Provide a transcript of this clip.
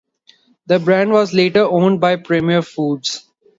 The brand was later owned by Premier Foods.